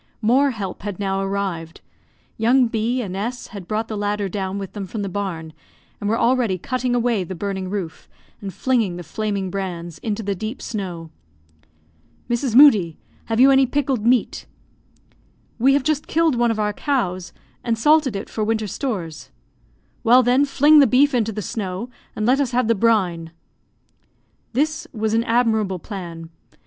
More help had now arrived. Young B and S had brought the ladder down with them from the barn, and were already cutting away the burning roof, and flinging the flaming brands into the deep snow. "Mrs. Moodie, have you any pickled meat?" "We have just killed one of our cows, and salted it for winter stores." "Well, then, fling the beef into the snow, and let us have the brine." This was an admirable plan.